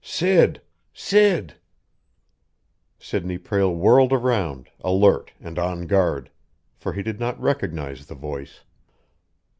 "Sid! Sid!" Sidney Prale whirled around, alert and on guard, for he did not recognize the voice.